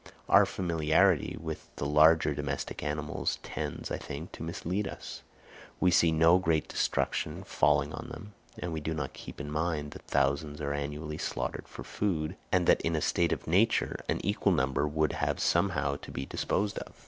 Our familiarity with the larger domestic animals tends, I think, to mislead us; we see no great destruction falling on them, and we do not keep in mind that thousands are annually slaughtered for food, and that in a state of nature an equal number would have somehow to be disposed of.